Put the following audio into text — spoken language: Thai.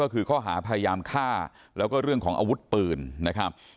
ก็คือข้อหาพยายามฆ่าแล้วก็เรื่องของอาวุธปืนนะครับ